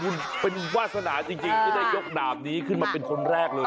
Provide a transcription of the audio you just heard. คุณเป็นวาสนาจริงที่ได้ยกดาบนี้ขึ้นมาเป็นคนแรกเลย